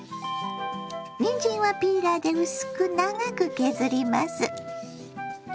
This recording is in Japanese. にんじんはピーラーで薄く長く削ります。